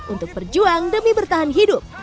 untuk berjuang demi bertahan hidup